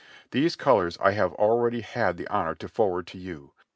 These colors I have already had the honor to forward to you.